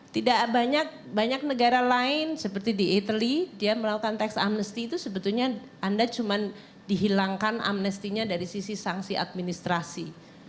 tidak banyak negara lain seperti di italy dia melakukan tax amnesty itu sebetulnya anda cuman dihilangkan amnesty nya dari sisi sanksi administrasi